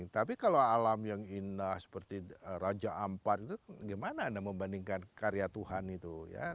tapi kalau alam yang indah seperti raja ampar itu gimana anda membandingkan karya tuhan itu ya